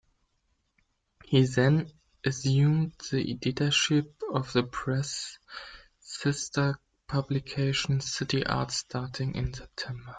He then assumed the editorship of the "Press"'s sister publication "CityArts" starting in September.